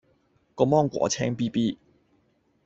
個芒果青咇咇